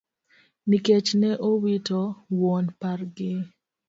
Nikech ne owito wuon pargi.